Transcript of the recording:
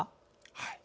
はい。